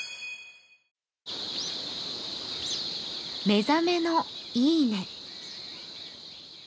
「目覚めのいい音」。